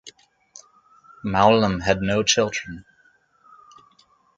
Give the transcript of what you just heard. Mowlam had no children.